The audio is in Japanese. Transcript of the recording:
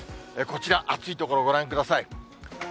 こちら、暑い所ご覧ください。